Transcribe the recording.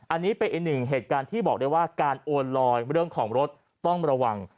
อันนี้เป็นอีกหนึ่งเหตุการณ์ที่บอกได้ว่าการโอนลอยเรื่องของรถต้องระวัง